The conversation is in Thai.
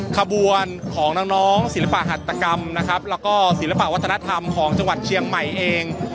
ขบวนของน้องศิลปหัตกรรมนะครับแล้วก็ศิลปะวัฒนธรรมของจังหวัดเชียงใหม่เอง